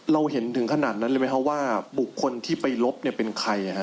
เราเห็นถึงขนาดนั้นเลยไหมคะว่าบุคคลที่ไปลบเป็นใคร